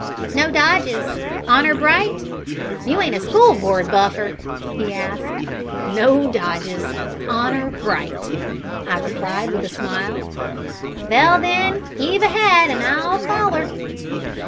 "No dodges? Honour bright? You ain't a school board buffer?" he asked. "No dodges. Honour bright," I replied, with a smile. "Vell, then, heave ahead, an' I'll foller."